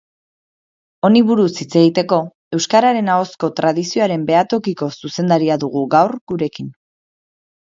Honi buruz hitz egiteko, euskararen ahozko tradizioaren behatokiko zuzendaria dugu gaur gurekin.